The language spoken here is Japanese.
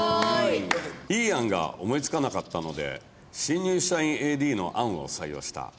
「いい案が思い付かなかったので新入社員ＡＤの案を採用した」